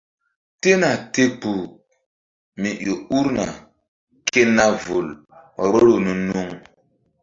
Tena te kpuh mi ƴo urna ke na vul vboro nu-nuŋ.